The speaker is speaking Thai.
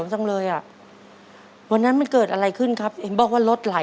อเรนนี่ต้องมีวัคซีนตัวหนึ่งเพื่อที่จะช่วยดูแลพวกม้ามและก็ระบบในร่างกาย